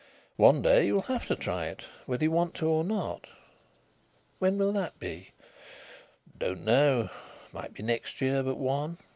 "One day you'll have to try it, whether you want to or not." "When will that be?" "Don't know. Might be next year but one.